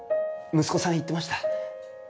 息子さん言ってました。